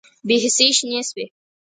بې حسۍ شنې شوې